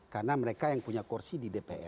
karena mereka yang punya kursi di dpr